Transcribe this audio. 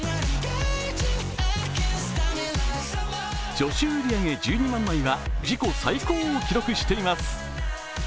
初週売り上げ１２万枚は自己最高を記録しています。